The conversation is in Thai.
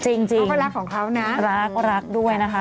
จริงเขาก็รักของเขานะรักรักด้วยนะคะ